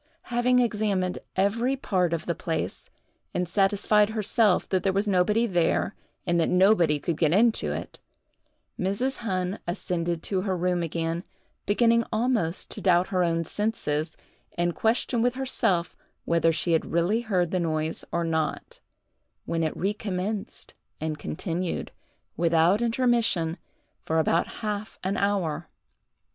Having examined every part of the place, and satisfied herself that there was nobody there, and that nobody could get into it, Mrs. Hunn ascended to her room again, beginning almost to doubt her own senses, and question with herself whether she had really heard the noise or not, when it recommenced and continued, without intermission, for about half an hour.